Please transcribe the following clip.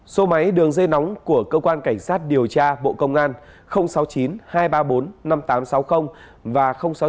số máy đường dây nóng của cơ quan cảnh sát điều tra bộ công an sáu mươi chín hai trăm ba mươi bốn năm nghìn tám trăm sáu mươi và sáu mươi chín hai trăm ba mươi một một nghìn sáu trăm